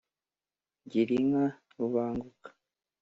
gira inka rubanguka